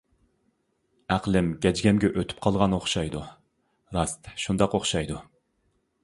ئەقلىم گەجگەمگە ئۆتۈپ قالغان ئوخشايدۇ، راست شۇنداق ئوخشايدۇ.